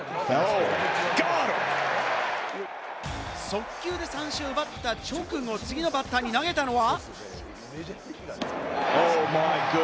速球で三振を奪った直後、次のバッターに投げたのは。